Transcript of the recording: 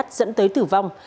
nhát dẫn tới tử vong